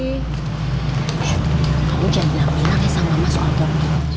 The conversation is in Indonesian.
kamu jangan dinampilin sama mama soal gampang